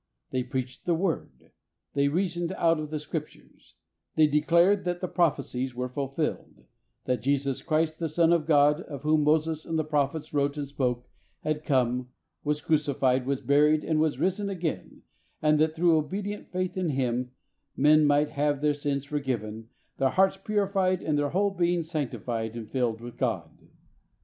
They preached the Word ; they reasoned out of the Scriptures; they declared that the prophecies were fulfilled, that Jesus Christ, the Son of God, of whom Moses and the prophets wrote and spoke, had come, was crucified, was buried, but was risen again, and that through obedient faith in Him men might have their sins forgiven, their hearts purified and their 158 THE soul winner's secret. whole being sanctified and filled with God.